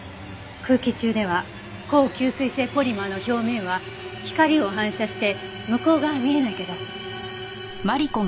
空気中では高吸水性ポリマーの表面は光を反射して向こう側は見えないけど。